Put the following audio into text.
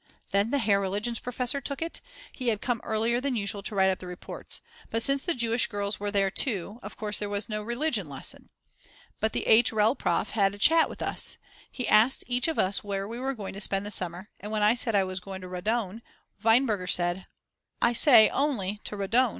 Then the Herr Religionsprofessor took it, he had come earlier than usual to write up the reports. But since the Jewish girls were there too, of course there was no religion lesson. But the H. Rel. Prof. had a chat with us. He asked each of us where we were going to spend the summer, and when I said I was going to Rodaun, Weinberger said: I say, only to Rodaun!